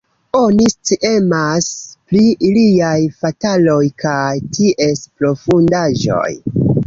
Oni sciemas pri iliaj fataloj kaj ties profundaĵoj.